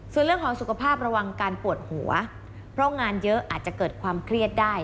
ส่วนเรื่องของสุขภาพระวังการปวดหัวเพราะงานเยอะอาจจะเกิดความเครียดได้